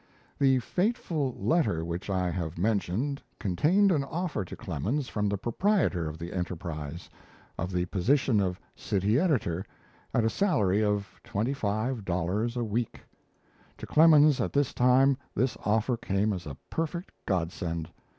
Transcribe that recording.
The fateful letter which I have mentioned, contained an offer to Clemens from the proprietor of the 'Enterprise', of the position of city editor, at a salary of twenty five dollars a week. To Clemens at this time, this offer came as a perfect godsend.